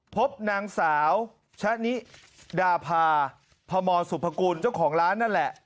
พบนางสาวชะนิดาภาพมสุภกูลเจ้าของร้านนั่นแหละ